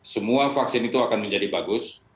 semua vaksin itu akan menjadi bagus